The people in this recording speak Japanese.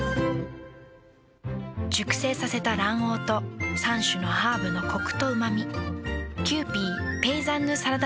熟成させた卵黄と３種のハーブのコクとうま味。